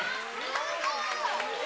すごーい。